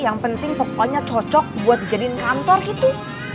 yang penting pokoknya cocok buat dijadiin kantor gitu